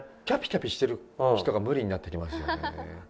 キャピキャピしてる人が無理になってきますよね。